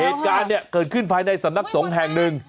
เหตุการณ์เนี่ยเกิดขึ้นภายในสำนักสงฆ์แห่งหนึ่ง